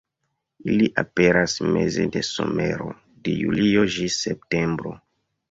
Ili aperas meze de somero, de julio ĝis septembro.